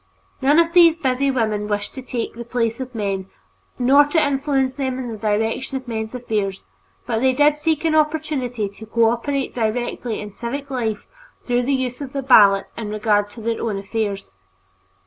None of these busy women wished to take the place of men nor to influence them in the direction of men's affairs, but they did seek an opportunity to cooperate directly in civic life through the use of the ballot in regard to their own affairs.